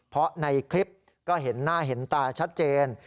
เพราะในคลิปก็เห็นหน้าเห็นตาชัดเจน